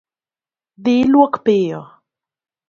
Dhii iluok piyo